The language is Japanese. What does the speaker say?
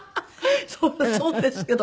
そうですけど。